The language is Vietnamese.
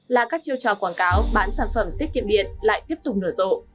là các chiêu trò quảng cáo bán sản phẩm tiết kiệm điện lại tiếp tục nở rộ